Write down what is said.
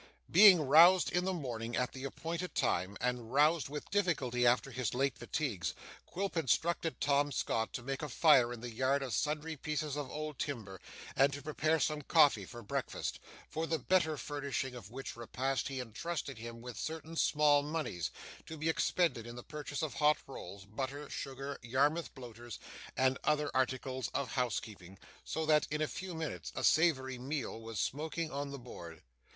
Being roused in the morning at the appointed time, and roused with difficulty, after his late fatigues, Quilp instructed Tom Scott to make a fire in the yard of sundry pieces of old timber, and to prepare some coffee for breakfast; for the better furnishing of which repast he entrusted him with certain small moneys, to be expended in the purchase of hot rolls, butter, sugar, Yarmouth bloaters, and other articles of housekeeping; so that in a few minutes a savoury meal was smoking on the board.